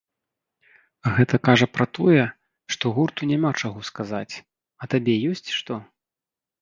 Гэта кажа пра тое, што гурту няма чаго сказаць, а табе ёсць што?